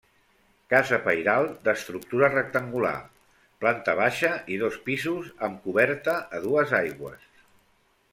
Casa pairal d'estructura rectangular, planta baixa i dos pisos amb coberta a dues aigües.